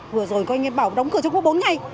vừa rồi coi như bảo đóng cửa trong quốc bốn ngày